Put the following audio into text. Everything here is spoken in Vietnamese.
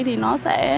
thì nó sẽ